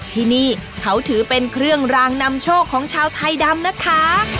ที่นี่เขาถือเป็นเครื่องรางนำโชคของชาวไทยดำนะคะ